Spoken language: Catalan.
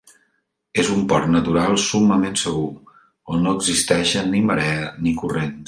És un port natural summament segur, on no existeixen ni marea ni corrents.